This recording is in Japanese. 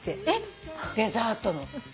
えっ！？デザートの。